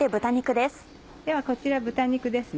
ではこちら豚肉ですね。